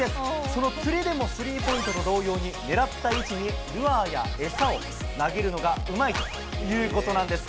その釣りでもスリーポイントと同様に狙った位置にルアーや餌を投げるのがうまいということなんです。